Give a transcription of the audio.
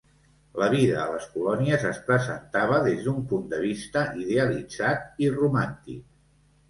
La vida a les colònies es presentava des d'un punt de vista idealitzat i romàntic.